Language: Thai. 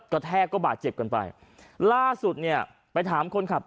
กระแทกก็บาดเจ็บกันไปล่าสุดไปถามคนขับ